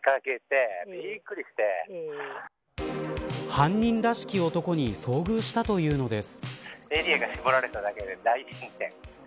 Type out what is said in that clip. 犯人らしき男に遭遇したというのです。